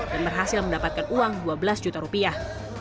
dan berhasil mendapatkan uang dua belas juta rupiah